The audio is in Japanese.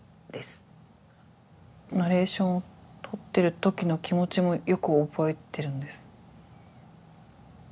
ナレーションをとってる時の気持ちもよく覚えてるんです。